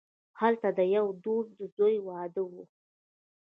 هلته د یوه دوست د زوی واده وو.